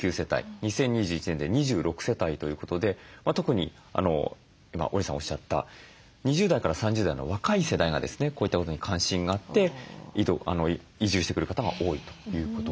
２０２１年で２６世帯ということで特に今織さんおっしゃった２０代から３０代の若い世代がですねこういったことに関心があって移住してくる方が多いということなんです。